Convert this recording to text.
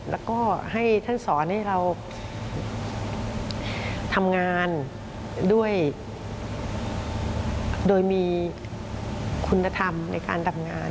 แล้วก็ให้ท่านสอนให้เราทำงานด้วยโดยมีคุณธรรมในการทำงาน